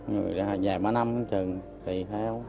người là dài ba năm không chừng tùy theo